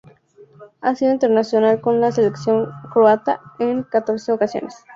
Ha sido internacional con la selección croata en catorce ocasiones.